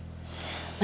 kamu itu anak gadis catet